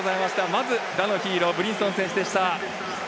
まず打のヒーロー、ブリンソン選手でした。